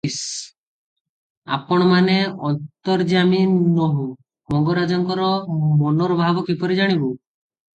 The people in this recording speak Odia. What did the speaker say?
ଆମ୍ଭମାନେ ଅନ୍ତର୍ଯ୍ୟାମୀ ନୋହୁ, ମଙ୍ଗରାଜଙ୍କର ମନର ଭାବ କିପରି ଜାଣିବୁ?